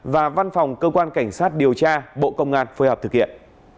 và văn phòng cơ quan cảnh sát điều tra bộ công an phối hợp thực hiện